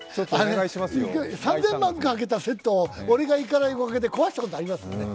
３０００万かけたセットを俺が行かないおかげで壊したことがありますからね。